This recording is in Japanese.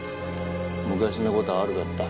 昔の事は悪かった。